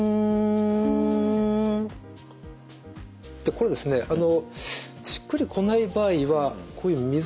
これですねしっくり来ない場合はこういう水につけてですね